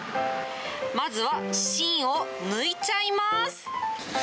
まずは芯を抜いちゃいます。